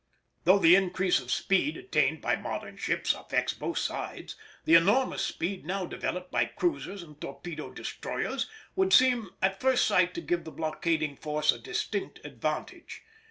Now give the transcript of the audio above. Though the increase of speed attained by modern ships affects both sides, the enormous speed now developed by cruisers and torpedo destroyers would seem at first sight to give the blockading force a distinct advantage.